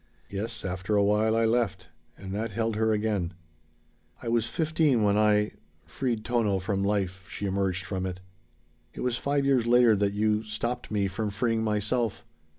"Yes, after a while I left." And that held her again. "I was fifteen when I freed Tono from life," she emerged from it. "It was five years later that you stopped me from freeing myself.